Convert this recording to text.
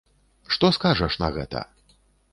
Што скажаш на гэта?